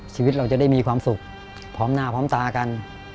ชีวิตเราจะได้มีความสุขพร้อมหน้าพร้อมตากัน